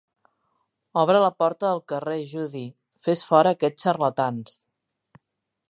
Obre la porta del carrer, Judy; fes fora aquests xarlatans.